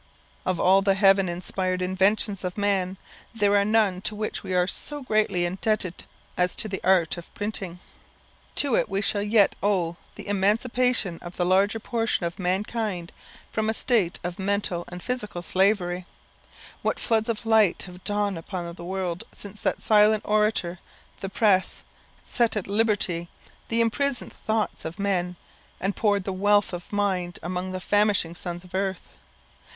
Of all the heaven inspired inventions of man, there are none to which we are so greatly indebted as to the art of printing. To it we shall yet owe the emancipation of the larger portion of mankind from a state of mental and physical slavery. What floods of light have dawned upon the world since that silent orator, the press, set at liberty the imprisoned thoughts of men, and poured the wealth of mind among the famishing sons of earth!